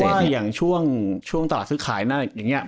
เพราะว่าอย่างช่วงตลาดซื้อขายนะ